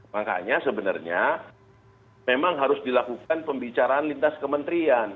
makanya sebenarnya memang harus dilakukan pembicaraan lintas kementerian